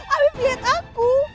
abif lihat aku